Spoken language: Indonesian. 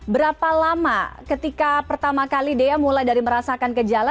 berapa lama ketika pertama kali dea mulai dari merasakan gejala